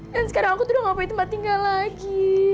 dan sekarang aku tuh udah gak boleh tempat tinggal lagi